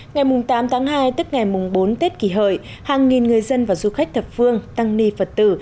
ngày tám tháng hai tức ngày bốn tết kỳ hợi hàng nghìn người dân và du khách thập phương tăng ni phật tử